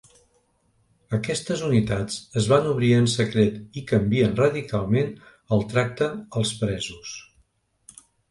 Aquestes unitats es van obrir en secret i canvien radicalment el tracte als presos.